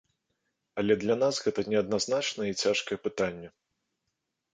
Але для нас гэта неадназначнае і цяжкае пытанне.